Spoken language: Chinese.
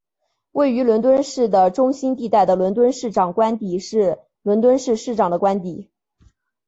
位于伦敦市的中心地带的伦敦市长官邸是伦敦市市长的官邸。